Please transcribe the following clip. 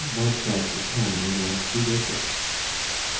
Mozart's economy was judicious.